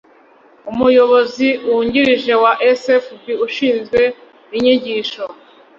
Umuyobozi wungirije wa sfb ushinzwe inyigisho